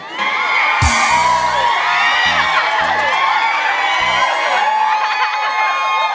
เย้